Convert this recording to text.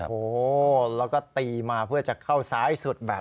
โอ้โหแล้วก็ตีมาเพื่อจะเข้าซ้ายสุดแบบ